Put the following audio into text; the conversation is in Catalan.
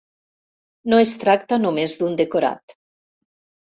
No es tracta només d'un decorat.